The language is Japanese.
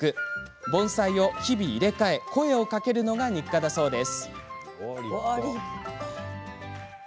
盆栽を日々入れ替え声をかけるのが日課だそうです。